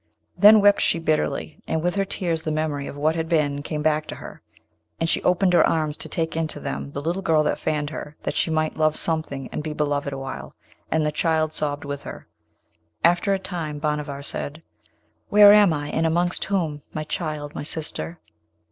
Then wept she bitterly, and with her tears the memory of what had been came back to her, and she opened her arms to take into them the little girl that fanned her, that she might love something and be beloved awhile; and the child sobbed with her. After a time Bhanavar said, 'Where am I, and amongst whom, my child, my sister?'